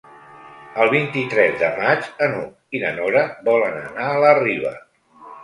El vint-i-tres de maig n'Hug i na Nora volen anar a la Riba.